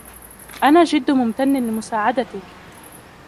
أن جد ممتن لمساعدتك